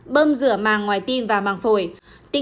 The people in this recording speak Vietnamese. bơm rửa màng ngoài tim và màng phổi